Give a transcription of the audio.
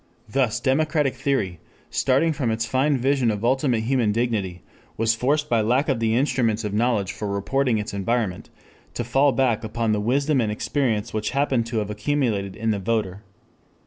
Thus democratic theory, starting from its fine vision of ultimate human dignity, was forced by lack of the instruments of knowledge for reporting its environment, to fall back upon the wisdom and experience which happened to have accumulated in the voter.